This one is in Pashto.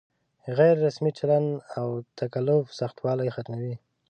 غیر رسمي چلن او تکلف سختوالی ختموي.